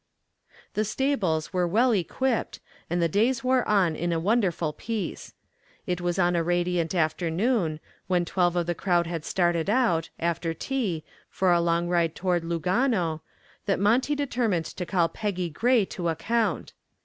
The stables were well equipped and the days wore on in a wonderful peace. It was on a radiant afternoon, when twelve of the crowd had started out, after tea, for a long ride toward Lugano, that Monty determined to call Peggy Gray to account.